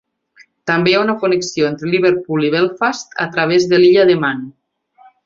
També hi ha una connexió entre Liverpool i Belfast a través de l'illa de Man.